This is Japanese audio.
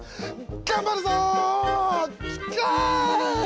頑張るぞ！